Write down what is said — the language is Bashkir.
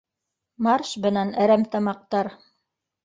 Марш бынан әремтамаҡтар!